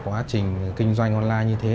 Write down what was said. quá trình kinh doanh online như thế